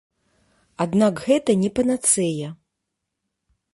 Аднак гэта не панацэя.